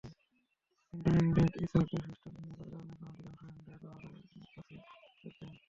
কিন্তু অ্যান্ড্রয়েড ইকোসিস্টেমের ভিন্নতার কারণে এখনো অধিকাংশ অ্যান্ড্রয়েড ব্যবহারকারীর কাছে প্যাঁচ যায়নি।